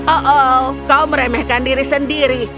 oh kau meremehkan diri sendiri